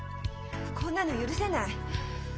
こんなの許せない。